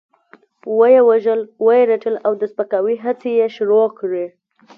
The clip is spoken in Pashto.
وه يې وژل، وه يې رټل او د سپکاوي هڅې يې شروع کړې.